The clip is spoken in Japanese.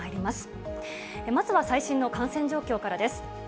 まずは最新の感染状況からです。